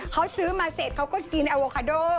เขาซื้อมาเสร็จเขาก็กินอโวคาโด